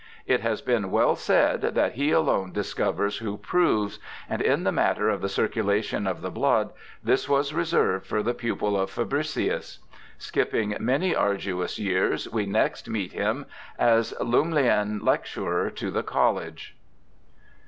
It has been well said ' that he alone discovers who proves', and in the matter of the circulation of the blood this was reserved for the pupil of Fabricius. Skipping many arduous 3'ears, we next meet him as Lumleian Lecturer to the College.